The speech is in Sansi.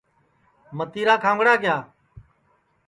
متِیرا کھاؤنگڑا کِیا